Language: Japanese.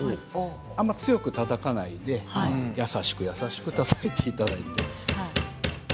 あまり強くたたかないで優しく優しくたたいていただいて。